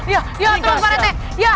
ya tolong pak rete